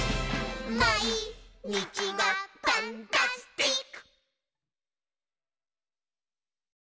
「まいにちがパンタスティック！」